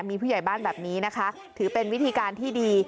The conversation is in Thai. มีผู้ใหญ่บ้านแบบนี้นะคะถือเป็นวิธีการที่ดี